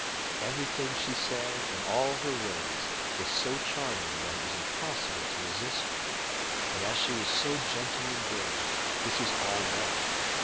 Every thing she said, and all her ways, was so charming that it was impossible to resist her; but as she was so gentle and good, this was all well.